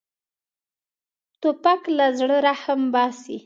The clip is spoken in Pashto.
توپک له زړه رحم باسي.